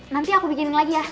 nanti aku bikinin lagi ya